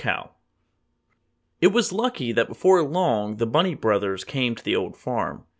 COW It was lucky that before long the Bunny Brothers came to the Old Farm.